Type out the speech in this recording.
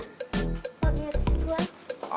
pak lihat di situ an